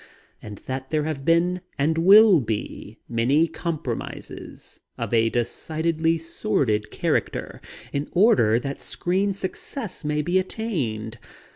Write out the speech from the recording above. And that there have been and will yet be many compromises of a decidedly sordid character in order that screen success may be attained.